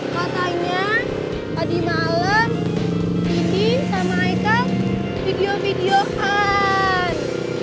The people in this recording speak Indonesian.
katanya tadi malem cindy sama aika video videohan